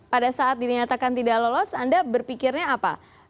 pada saat dinyatakan tidak lolos anda berpikirnya apa